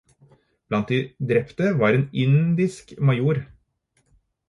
Blant de drepte var en indisk major.